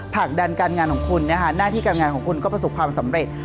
ผลักดันการงานของคุณนะคะหน้าที่การงานของคุณก็ประสบความสำเร็จ